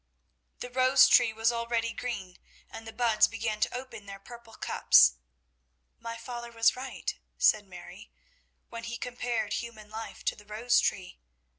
The rose tree was already green, and the buds began to open their purple cups. "My father was right," said Mary, "when he compared human life to the rose tree.